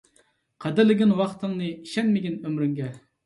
قەدىرلىگىن ۋاقتىڭنى، ئىشەنمىگىن ئۆمرۈڭگە.